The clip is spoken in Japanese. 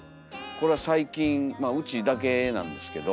これは最近まあうちだけなんですけど。